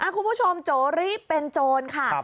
คุณผู้ชมโจรีบเป็นโจรค่ะ